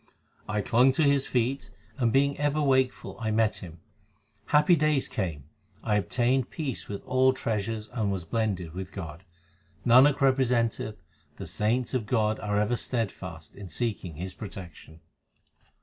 I clung to His feet, and being ever wakeful I met Him. Happy days came, I obtained peace with all treasures and was blended with God. Nanak representeth, the saints of God are ever steadfast in seeking His protection.